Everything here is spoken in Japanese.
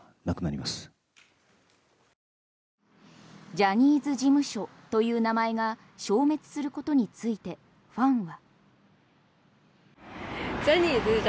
ジャニーズ事務所という名前が消滅することについてファンは。